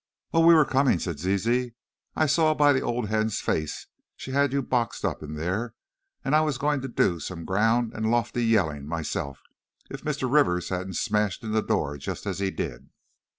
"Oh, we were coming!" said Zizi, "I saw by the old hen's face she had you boxed up in there, and I was going to do some ground and lofty yelling myself, if Mr. Rivers hadn't smashed in the door just as he did."